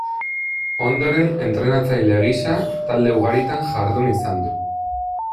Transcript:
Ondoren entrenatzaile gisa talde ugaritan jardun izan du.